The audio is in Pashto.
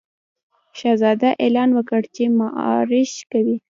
شهزاده اعلان وکړ چې مارش کوي.